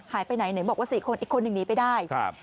หายไปไหนหน่อยบอกว่า๔คนอีกคนนึงหนีไปได้